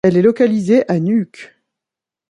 Elle est localisée à Nuuk.